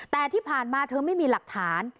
แต่ที่ผ่านมาเธอไม่มีหลักฐาน